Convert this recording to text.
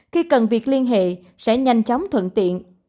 khi cần việc liên hệ sẽ nhanh chóng thuận tiện